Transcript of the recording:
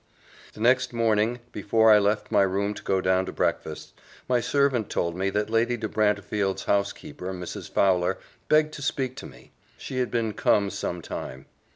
The next morning, before I left my room to go down to breakfast, my servant told me that Lady de Brantefield's housekeeper, Mrs. Fowler, begged to speak to me she had been come some time.